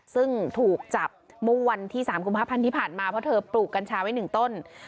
ซึ่งถูกจับเมื่อวันที่๓กุมภาพันธ์ที่ผ่านมาเพราะเธอปลูกกัญชาไว้๑ต้น